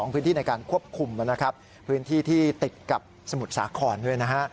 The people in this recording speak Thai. พื้นที่ในการควบคุมนะครับพื้นที่ที่ติดกับสมุทรสาครด้วยนะฮะ